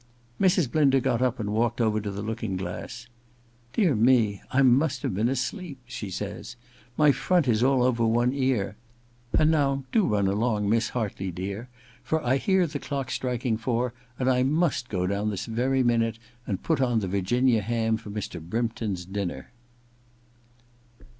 Mrs. Blinder got up and walked over to the looking glass. * Dear me ! I must have been asleep,' she says. * My front is all over one ear. And now do run along, Miss Hartley, dear, for I hear the clock striking four, and I must go down this very minute and put on the Virginia ham for Mr. Brympton's dinner.'